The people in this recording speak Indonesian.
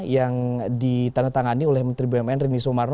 yang ditandatangani oleh menteri bbm reni sumarro